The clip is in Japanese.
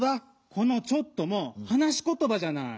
この「ちょっと」もはなしことばじゃない！